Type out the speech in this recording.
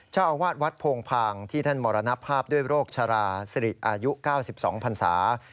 เจ้าอาวาสวัดโพงพางที่ท่านมรณภาพด้วยโรคชราสิริอายุ๙๒พันศา